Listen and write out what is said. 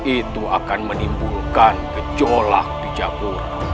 itu akan menimbulkan gejolak di jagung